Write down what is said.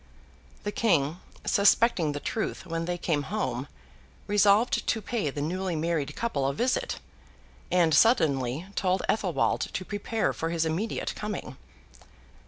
The King, suspecting the truth when they came home, resolved to pay the newly married couple a visit; and, suddenly, told Athelwold to prepare for his immediate coming.